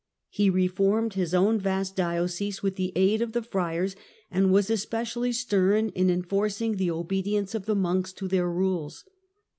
He reformed his own vast diocese, with the aid of the friars, and was especially stern in enforcing the obedience of the monks to their rules.